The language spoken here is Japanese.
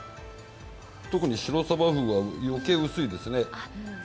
特にシロサバフグは余計薄いですね。